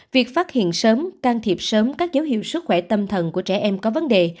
việc phát hiện sớm can thiệp sớm các dấu hiệu sức khỏe tâm thần của trẻ em có vấn đề